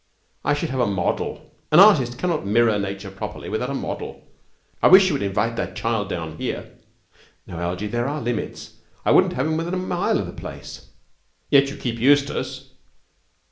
'I should have a model. An artist cannot mirror Nature properly without a model. I wish you would invite that child down here.' 'No, Algie, there are limits. I wouldn't have him within a mile of the place.' 'Yet you keep Eustace.'